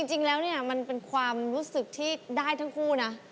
จริงแล้วเนี่ยมันเป็นความรู้สึกที่ได้ทั้งคู่นะ